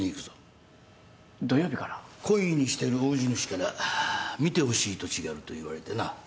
懇意にしている大地主から見てほしい土地があると言われてな。